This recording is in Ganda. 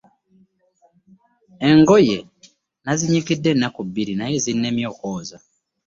Engoye nazinyikidde ennaku bbiri naye zinnemye okwoza